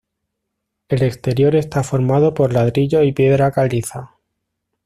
El exterior está formado por ladrillos y piedra caliza.